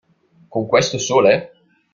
Con questo sole?